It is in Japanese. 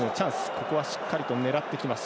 ここは、しっかりと狙ってきます。